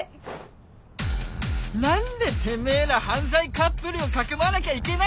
何でてめぇら犯罪カップルを匿わなきゃいけないんだよ